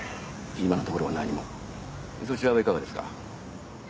今のところは何もそちらはいかがですか？